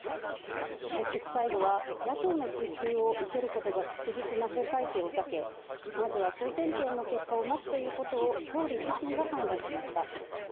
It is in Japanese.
結局最後は野党の追及を受けることが確実な法改正を避け、まずは総点検の結果を待つということを総理自身が判断しました。